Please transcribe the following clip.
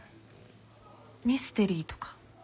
ミステリーとか？